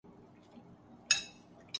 کون اب دے گا گھنی چھاؤں مُجھے، کوئی نہیں